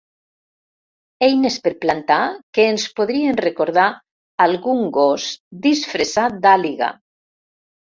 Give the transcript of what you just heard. Eines per plantar que ens podrien recordar algun gos disfressat d'àliga.